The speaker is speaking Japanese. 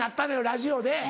ラジオで。